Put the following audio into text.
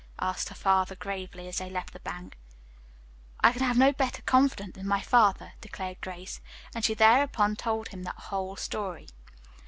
asked her father gravely, as they left the bank. "I can have no better confidant than my father," declared Grace, and she thereupon told him the whole story.